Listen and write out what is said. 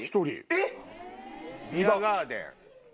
えっ⁉ビアガーデン。